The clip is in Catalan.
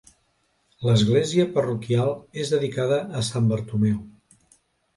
L'església parroquial és dedicada a Sant Bartomeu.